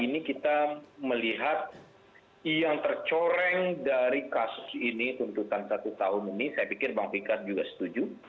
ini kita melihat yang tercoreng dari kasus ini tuntutan satu tahun ini saya pikir bang fikar juga setuju